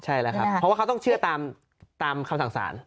ใช่แล้วครับเพราะว่าเขาต้องเชื่อตามคำสั่งสาร